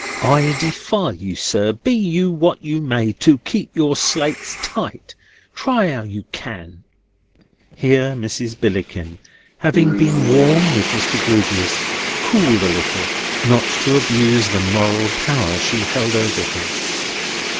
I defy you, sir, be you what you may, to keep your slates tight, try how you can." Here Mrs. Billickin, having been warm with Mr. Grewgious, cooled a little, not to abuse the moral power she held over him.